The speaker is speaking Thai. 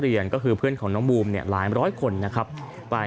เรียนก็คือเพื่อนของน้องบูมเนี่ยหลายร้อยคนนะครับไป